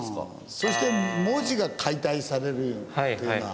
そして文字が解体されるっていうのは。